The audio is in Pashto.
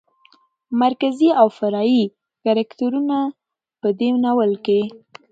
مرکزي او فرعي کرکترونو په دې ناول کې